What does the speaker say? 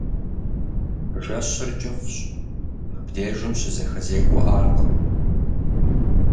Жэщыр кӏыфӏщ, мыбдежым щызэхэзекӏуэӏаркъым.